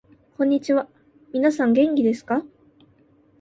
こんにちは、みなさん元気ですか？